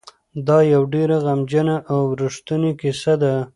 دا یوه ډېره غمجنه او رښتونې کیسه ده.